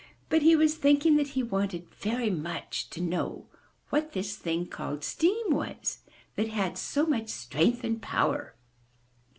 But he was thinking that he wanted very much to know what 152 UP ONE PAIR OF STAIRS this thing called steam was, that had so much strength and power.